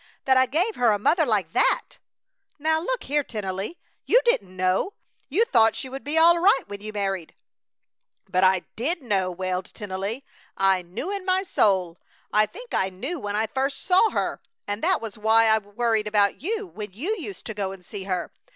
That I gave her a mother like that!" "Now, look here, Tennelly! You didn't know! You thought she would be all right when you were married!" "But I did know!" wailed Tennelly. "I knew in my soul! I think I knew when I first saw her, and that was why I worried about you when you used to go and see her.